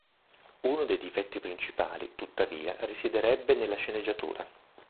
Uno dei difetti principali, tuttavia, risiederebbe nella sceneggiatura.